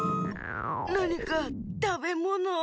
なにかたべものを！